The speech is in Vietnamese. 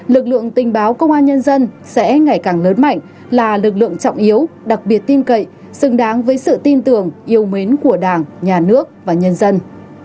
lực lượng tình báo công an nhân dân sẽ ngày càng lớn mạnh là lực lượng trọng yếu đặc biệt tin cậy xứng đáng với sự tin tưởng yêu mến của đảng nhà nước và nhân dân